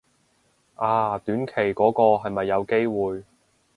啊短期嗰個係咪有機會